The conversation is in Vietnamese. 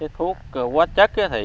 thuốc quá chất